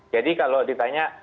jadi kalau ditanya